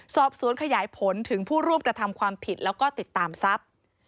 สอบสวนขยายผลถึงผู้ร่วมกระทำความผิดแล้วก็ติดตามทรัพย์